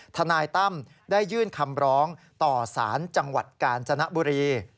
ทนายตั้มได้ยื่นคำร้องต่อสารจังหวัดกาญจนบุรี